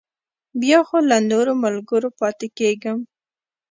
بیا خو له نورو ملګرو پاتې کېږم.